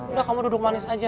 udah kamu duduk manis aja